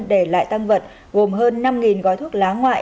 để lại tăng vật gồm hơn năm gói thuốc lá ngoại